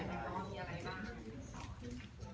ใครบ้าง